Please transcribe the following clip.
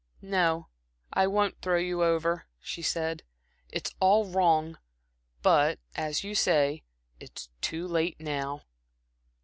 "No, I won't throw you over," she said. "It's all wrong but as you say, it's too late now.